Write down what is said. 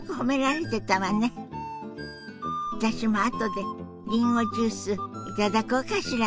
私もあとでりんごジュース頂こうかしら。